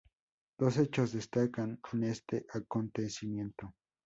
Dos hechos destacan en este acontecimiento.